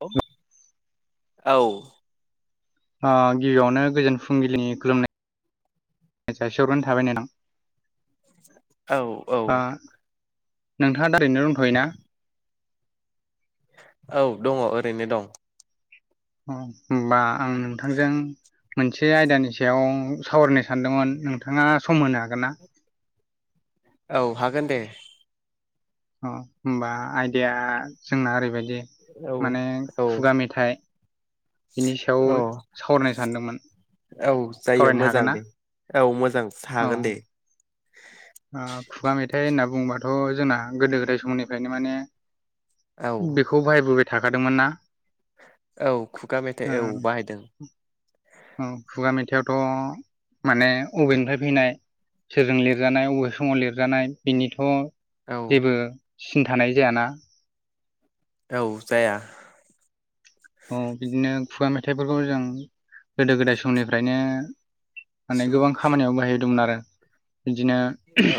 औ औ गिबियावनो गोजोन फुंबिलिनि खुलुमनाय जासि हरग्रोनाय थाबाय नोंथां। औ औ नोंथाङा दा ओरैनो दंथ'यो ना? औ दङ ओरैनो दं। अ होमबा आं नोंथांजों मोनसे आयदानि सायाव सावरायनो सानदोंमोन नोंथाङा सम होनो हागोन ना? औ हागोन दे। अ होनबा आइदाया जोंना ओरैबायदि औ माने औ खुगा मेथाइ बिनि सायाव औ सावरायनो सानदोंमोन औ जायो सावरायनो हागोन मोजां ना? दे औ मोजां औ थागोन दे ओ खुगा मेथाइ होनना बुंबाथ' जोंना गोदो गोदाय समनिफ्रायनो माने औ बेखौ बाहायबोबाय थाखादोंमोन ना? औ खुगा मेथाइ ओ औ बाहायदों। औ खुगा मेथाइआवथ' माने अबेनिफ्राय फैनाय सोरजों लिरजानाय अबे समाव लिरजानाय बेनिथ' औ जेबो सिन थानाय जायाना? औ जाया। औ बिदिनो खुगा मेथाइफोरखौ जों गोदो गोदाय समनिफ्रायनो माने सुबुं गोबां खामानियाव बाहायदोंमोन आरो बिदिनो औ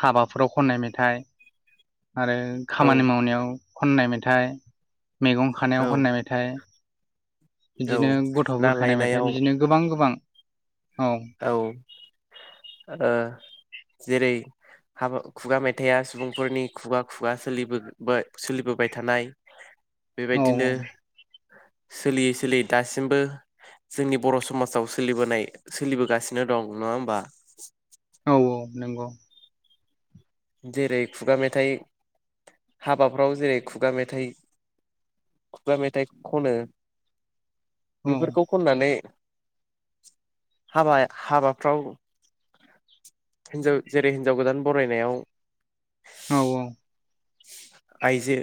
हाबाफोराव खननाय मेथाइ आरो औ खामानि मावनायाव खननाय मेथाइ मैगं खानायाव औ खननाय मेथाइ औ बिदिनो गथ' ना बुरखायनाय लायनायाव मेथाइ बिदिनो गोबां गोबां औ जेरै हाबा खुगा मेथाइया सुबुंफोरनि खुगा खुगा सोलिबो सोलिबोबाय थानाय औ बेबायदिनो सोलियै सोलियै दासिमबो जोंनि बर' समाजाव सोलिबोनाय सोलिबोगासिनो दं नङा होमबा? औ नंगौ। जेरै खुगा मेथाइ हाबाफ्राव जेरै खुगा मेथाइ खगा मेथाइ खनो औ बेफोरखौ खननानै हाबा हाबाफ्राव हिनजाव जेरै हिन्जाव गोदान बरायनायाव औ औ। आइजो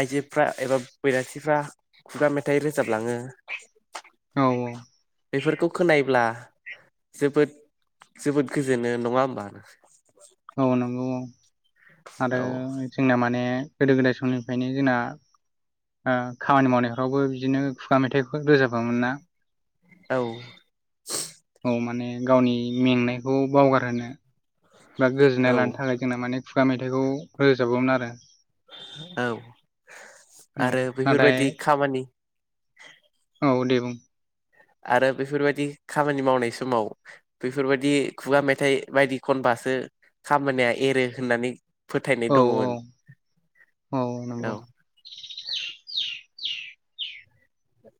आइजोफ्रा एबा बैरासिफ्रा खुगा मेथाइ रोजाबलाङो [unintelligible] बेफोरखौ खोनायोब्ला जोबोद जोबोद गोजोननाय नङा होमबा? औ नंगौ औ आरो औ जोंना माने गोदो गोदाय समनिफ्रायनो जोंना खामानि मावनायफ्रावबो बिदिनो खुगा मेथाइखौ रोजाबोमोन ना? औ औ माने गावनि मेंनायखौ बावगार होनो बा गोजोननाय औ लानो थाखाय जोंना माने खुगा मेथाइखौ रोजाबोमोन आरो। औ आरो औनाथाय बेफोरबायदि खामानि औ दे बुं? आरो बेफोरबायदि खामानि मावनाय समाव बेफोरबायाददि खुगा मेथाइ बायदि खनबास सो खामानिया एरो होननानै फोथायनाय औ औ दङमोन औ नंगौ औ। [unintelligible]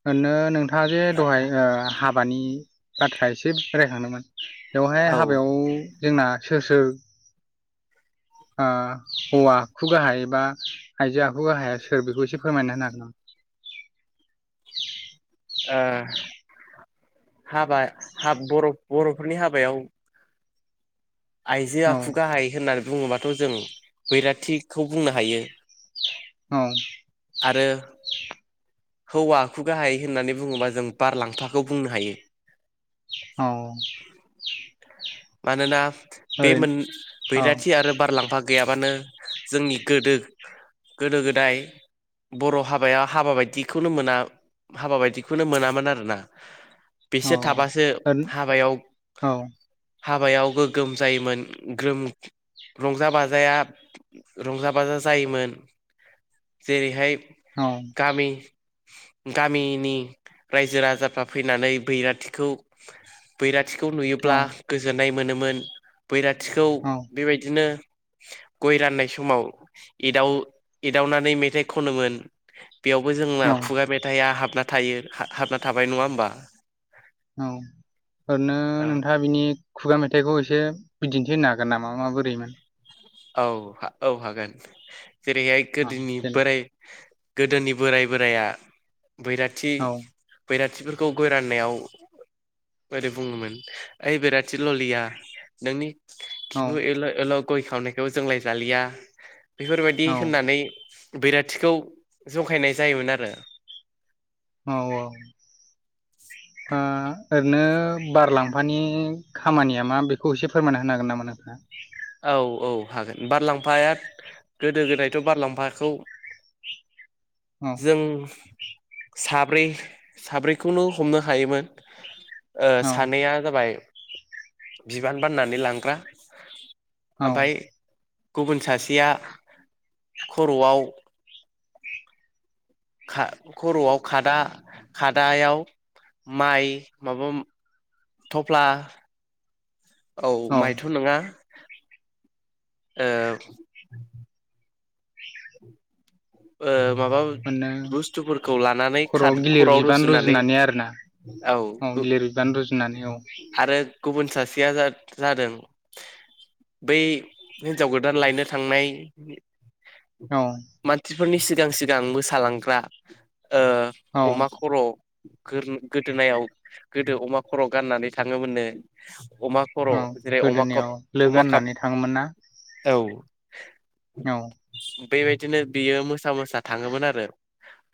ओरनो नोंथाङा जे दहाय हाबानि बाथ्रा एसे रायखांदोंमोन बेवहाय औ ओ हाबायाव जोंना सोर सोर? हौवा आखु गाहाय एबा आइजो आखु गाहाया सोर बेखौ एसे फोरमायना होनो हागोन आ? [unintelligible] हाबा बर बर'फोरनि हाबायाव आइजो हागोन नामा आखु गाहाय होननानै बुङोबाथ' जों बैराथिखौ बुंनो हायो औ। आरो हौवा आखु गाहाइ होननानै बुङोबा जों बारलांफाखौ बुंनो हायो। औ मानोना बे ओरैनो मोन बैराथि औ आरो बारलांफा गैयाबानो जोंनि गोदोग गोदो गोदाय बर' हाबाया हाबा बायदि खौनो मोना हाबा बायदिखौनो मोनामोन आरोना। बिसो थाबासो औ औ हाबायाव औ हाबायाव गोगोम जायोमोन ग्रोम रंजा बाजाया रंजा बाजा जायोमोन जेरैहाय औ गामि नि रायजो राजाफ्रा फैनानै बैराथिखौ बैराथ थिखौ औ नुयोब्ला गोजोननाय मोनोमोन बैराथिखौ औ बेबायदिनो गय राननाय समाव एदाव एदावनानै मेथाइ खनोमोन बेयावबो जोंना औ खुगाआ मेथाइया हाबना थायो हा हाबना थाबाय नङा होमबा औ ओरनो औ नोंथाङा बिनि खुगा मेथाइखौ एसे बिदिन्थि होनो हागोन नामा मा बोरैमोन औ हा औ हागोन जेरैहाय औ गोदोनि देलाय बोराय गोदोनि बोराइ बोराइया बैराथि औ बैरा थिफोरखौ गय राननायाव बोरै बुङोमोन ओइ बिराद थि ल'लिया नोंनि औ खिबु एल' एल' गय खावनाय औ जोंलाय जालिया बेफोरबायदि औ होननानै बैराथिखौ जंखायनाय जायोमोन आरो औ औ ओ ओरनो बारलाम फानि खामानिया मा बेखौ एसे फोरमायना होनो हागोन नामा नोंथाङा? औ औ हागोन बारलाम्फाया गोदो गोदायथ' बारलाम्फाखौ औ जों साब्रै साब्रैखौनो हमनो हायोमोन ओ औ सानैया जाबाय बिबान बाननानै लांग्रा औ ओमफाय गुबुन सासेया खर'आव [inaudible] खा खर'आव खादा खादा याव माइ माबाम थफ्ला औ माइथ' नोङा औ ओ माबाब ओरैनो बुस्थुफोरखौ लानानै खर'आव खाद गिलिर खर'वाव बिबान रुजुननानै रुजुनानै आरोना औ गु गिलिर बिबान रुजुनानै औ आरो गुबुन सास सेया जाद जादों बै हिन्जाव गोदान लायनो थांनाय औ फोरनि सिगां सिगां मोसालांग्रा औ ओ अमा खर' गोरन गोदोनायाव गोदो अमा खर' गाननानै थाङोमोननो अमा खर' औ जेरै अमा कप गोदोनायाव लो अमा काप गाननानै थाङोमोन ना औ औ बेबायदिनो बियो मोसा मोसा थाङोमोन आरो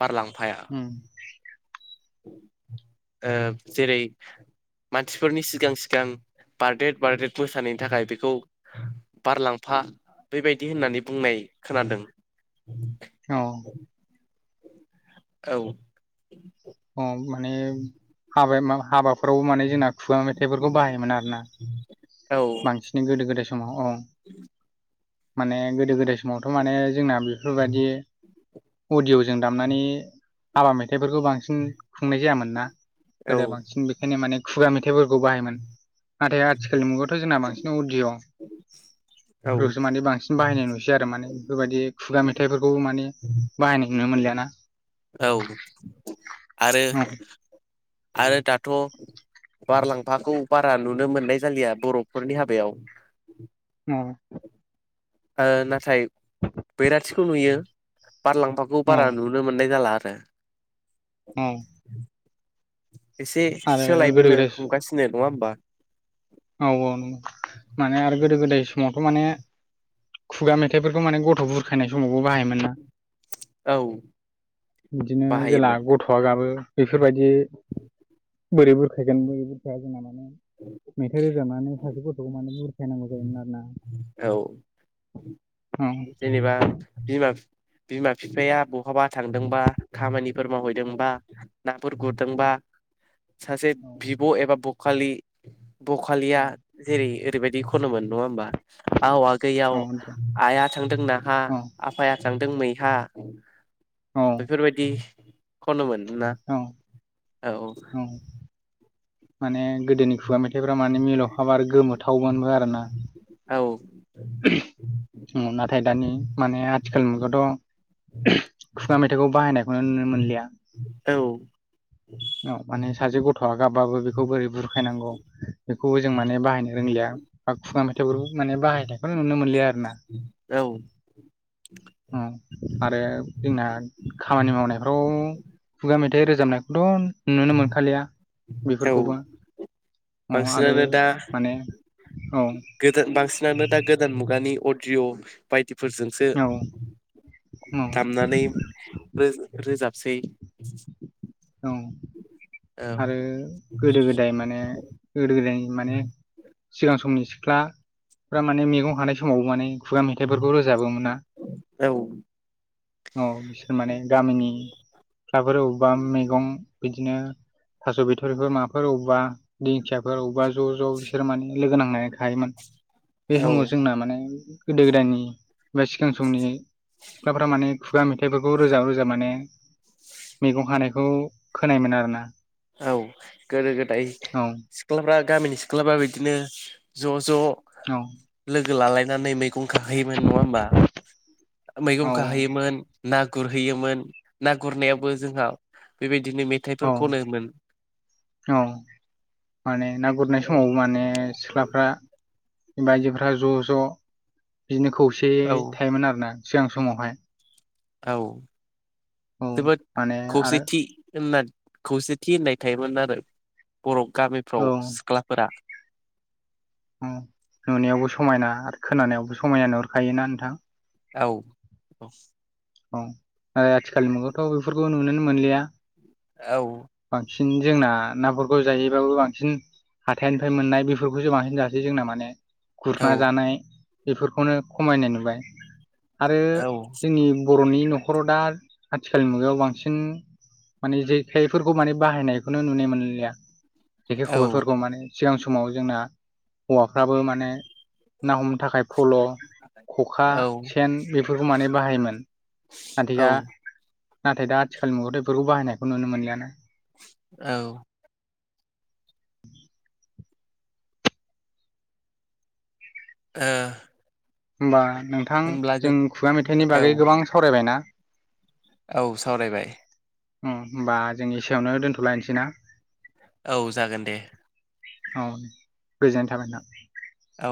बारलांफाया ओम ओब जेरै मानसिफोरनि सिगां सिगां बार्डेड बार्डेड मोसानायनि थाखाय बेखौ बारलांफा बेबायदि होननानै बुंनाय खोनादों औ औ अ माने हाबाया मा हाबा रावबो माने जोंना खुवा मेथाइफोरखौ बाहायोमोन आरो ना । औ बांसिनै गोदो गोदाय समाव औ माने गोदो गोदाय समावथ' माने जोंना बेफोरबायदि अदिय'जों दामनानै हाबा मे थाइफोरखौ बांसिन खुंनाय जायामोन ना औ गोदो बांसिन बेखायनो माने खुगा मेथाइफोरखौ बाहायोमोन नाथाय आथिखालनि मुगायावथ' जोंना बांसिन अदिअ' । माने बांसिन बाहायनाय नुसै आरो माने बेफोरबायदि खुगा मेथाइफोरखौबो माने बाहायनाय नुनो मोनलियाना । औ आरो औ आरो दाथ' बारलांफाखौ बारा नुनो मोननाय जालिया बर'फोरनि हाबायाव औ ओ नाथाय बैराथिखौ नुयो बारलांफाखौ औ बारा नुनो मोननाय जाला आरो । दा औ एसे आरो गोदो सोलायबोनो गोदाय हमगासिनो नङा होमबा? औ औ नंगौ माने आरो गोदो गोदाय समावथ' माने खुगा मेथाइफोरखौ माने गथ' बुरखायनाय समावबो बाहायोमोन ना । औ बिदिनो जेला बाहायोमोन गथ'आ गाबो बेफोरबायदि बोरै बुरखायगोन बोरै बुरखाया जोंना माने [inaudible] मेथाइ रोजाबनानै सासे गथ'खौ माने बुरखायनांगौ जायोमोन आरो ना । औ जेनेबा बिमा फिफाया ब हाबा थांदोंबा खामानिफोर औ मावहैदोंबा नाफोर गुरदोंबा औ सासे औ बिब' एबा ब खालि बखालिया औ जेरै ओरैबायदि खनोमोन नङा होमबा । आव आगै आव औ औ दे आइया थांदों नाहा औ आफाया थांदों मैहा औ बेफोरबायदि खनोमोन । ना औ औ माने गोदोनि खुगा मेथाइ फोरा माने मिलौखाब आरो गोमोथावमोनबो आरो ना । औ नाथाय दानि माने आथिखाल मुगायावाथ' खुगा मेथाइखौ बाहायनायखौनो नुनो मोनलिया । औ औ माने सासे गथ'आ गाबबाबो बेखौ बोरै बुरखायनांगौ बेखौबो जों माने बाहायनो रोंलिया बा खुगा मेथाइफोर माने बाहायनायखौनो नुनो मोनलि आरो ना । औ आरो जोंना खामानि मावनायफ्राव खुगा मेथाइ रोजाबनायखौथ' नुनो मोनखालिया औ बेफोरखौबो औ आरो बांसिनानो दा माने औ गोदान बांसिनानो दा गोदान मुगानि अडिअ बायदि फोरजोंसो औ औ दामनानै रोजाब सेै औ आरो गोदो गोदाय माने गोदो गोदायनि माने सिगां समनि सिख्लाफ्रा माने मैगं खानाय समाव माने खुगा मेथाइफोरखौ रोजाबो मोन ना औ औ । बिसोर माने गामिनि सिख्लाफोर अबेबा मैगं बिदिनो थास' बिथ'रिफोर माफोर बबेबा दिंखियाफोर अबेबा ज' ज' बिसोर माने लोगो नां ना खायोमोन बे समाव औ जोंना माने गोदो गोदायनि बा सिगां समनि सिख्लाफोरा माने खुगा मेथाइफोरखौ रोजाब रोजाब माने मैगं खानायखौ खोनायोन आरोना । औ गोदो गोदाय सिख्लाफ्रा गामिनि सिख्लाफ्रा बिदिनो ज' ज' औ लोगो लालायनानै मै मैगं खाहैयोमोन नङा होमबा मैगं औ खाहैयोमोन ना गुरहैयोमोन ना गुरनायावबो जोंहा बेबायदिनो मेथाइफोर औ खनो औ [unintelligible] माने ना गुरनाय समाव माने सिख्लाफ्रा बायजोफ्रा ज' ज' बिदिनो खौसेयै औ थायोमोन आरो ना सिगां समावहाय औ औ जोबोद माने आरो खौसेथि होननानै खौसेथि होननाय थायोमोन आरो बर' गामिफ्राव सिख्लाफोरा ओम नुनायावबो समायना आरो खोनानायावबो समायना नुहुरखायोना नोंथां औ औ औ आथिखालनि मुगायावथ' बेफोरखौ नुनोनो मोनलिया औ बांसिन जोंना नाफोरखौ जायोबाबो बांसिन हाथाइनिफ्राय मोननाय बेफोरखौसो बांसिन जासै जोंना माने औ गुरना जानाय बेफोरखौनो खमायनाय नुबाय आरो औ जोंनि बर'नि न'खराव दा आथिखालनि मुगायाव बांसिन माने जेखायफोरखौ माने बाहायनायखौनो नुनो मोनलिया जेखाय औ खबायफोरखौ माने सिगां समाव जोंना हौवाफ्राबो माने ना हमनो थाखाय फल' खखा औ औ सेन बेफोरखौ माने बाहायोमोन नाथाय दा नाथाय दा आथिखाल मुगायावथ' बेफोरखौ बाहायनायखौ नुनो मोनलियाना औ [inaudible] ओ होमबा नोंथां जों खुगा मेथाइनि औ बागै गोबां सावरायबायना औ सावरायबाय। ओम होमबा जों इसेयावनो दोनथ'लायनोसै ना। औ जागोन दे । औ गोजोननाय थाबाय नोंथां। औ